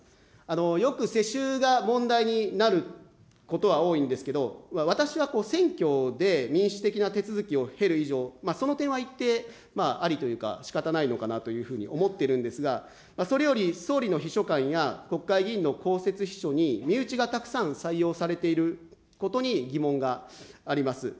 よく世襲が問題になることは多いんですけど、私は選挙で民主的な手続きを経る以上、その点は一定、ありというか、しかたないのかなというふうに思ってるんですが、それより総理の秘書官や国会議員の公設秘書に身内がたくさん採用されていることに、疑問があります。